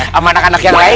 sama anak anak yang lain